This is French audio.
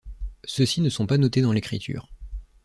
Ceux-ci ne sont pas notés dans l'écriture.